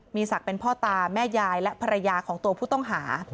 มีศักดิ์เป็นพ่อตาแม่ยายและภรรยาของตัวผู้ต้องหา